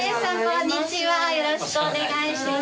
よろしくお願いします。